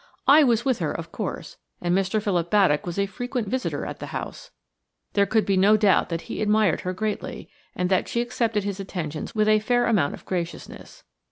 I was with her, of course, and Mr. Philip Baddock was a frequent visitor at the house. There could be no doubt that he admired her greatly, and that she accepted his attentions with a fair amount of graciousness.